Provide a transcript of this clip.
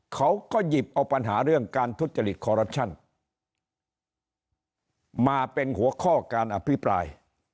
เขาก็หยิบเอาปัญหาเรื่องการทุจริตคอรัปชั่นมาเป็นหัวข้อการอภิปราย